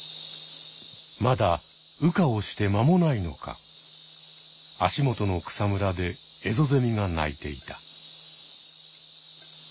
まだ羽化をして間もないのか足元の草むらでエゾゼミが鳴いていた。